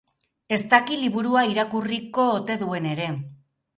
Ez daki liburua irakurriko ote duen ere.